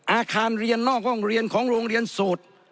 อาคารเรียนนอกห้องเรียนของโรงเรียนสูตร